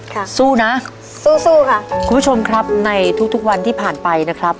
สู้นะสู้สู้ค่ะคุณผู้ชมครับในทุกทุกวันที่ผ่านไปนะครับ